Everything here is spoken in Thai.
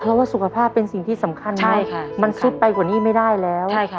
เพราะว่าสุขภาพเป็นสิ่งที่สำคัญมากมันซุดไปกว่านี้ไม่ได้แล้ว